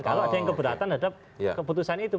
kalau ada yang keberatan terhadap keputusan itu